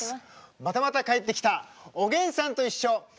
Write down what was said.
またまた帰ってきた「おげんさんといっしょ」。